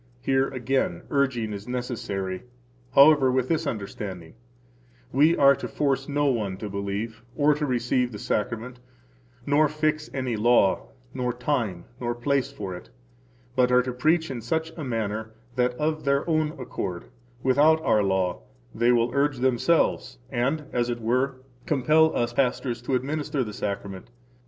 Here again urging is necessary, however, with this understanding: We are to force no one to believe, or to receive the Sacrament, nor fix any law, nor time, nor place for it, but are to preach in such a manner that of their own accord, without our law, they will urge themselves and, as it were, compel us pastors to administer the Sacrament.